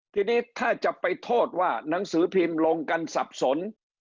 ทีนี้ถ้าจะไปโทษว่าหนังสือพิมพ์ลงกันสับสน